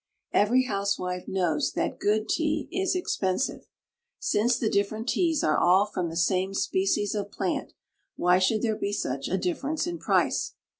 Every housewife knows that good tea is expensive. Since the different teas are all from the same species of plant why should there be such a difference in price?